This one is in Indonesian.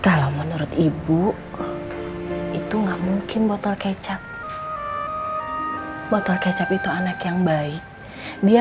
kalau menurut ibu itu enggak mungkin botol kecap botol kecap itu anak yang baik dia